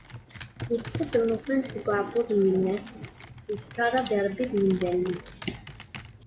yekkes-d llufan seg uɛebbuḍ n yemma-s zkara di Rebbi d yimdanen-is.